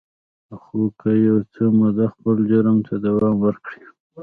خو که یو څه موده خپل جرم ته دوام ورکړي